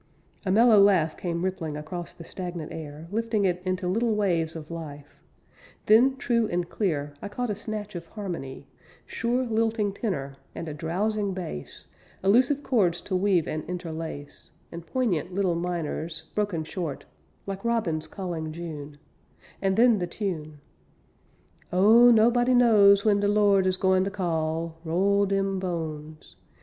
A mellow laugh came rippling Across the stagnant air, Lifting it into little waves of life. Then, true and clear, I caught a snatch of harmony; Sure lilting tenor, and a drowsing bass, Elusive chords to weave and interlace, And poignant little minors, broken short, Like robins calling June And then the tune: "Oh, nobody knows when de Lord is goin ter call, Roll dem bones.